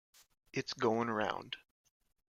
It's goin' round.